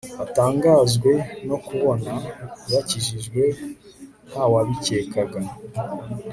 batangazwe no kubona yakijijwe nta wabikekaga